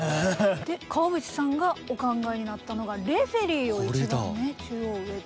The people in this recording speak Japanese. で川淵さんがお考えになったのがレフェリーを一番中央上って。